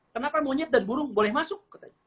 kenapa monyet dan burung boleh masuk